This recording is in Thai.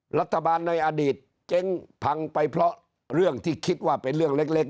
หลักทะบานในอดีตเจ้งพังไปเพราะเรื่องที่คิดว่าเป็นเลข